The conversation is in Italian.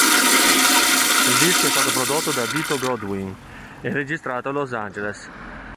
Il disco è stato prodotto da Dito Godwin e registrato a Los Angeles.